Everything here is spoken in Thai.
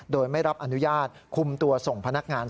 โดยไม่รับอนุญาตคุมตัวส่งพนักงาน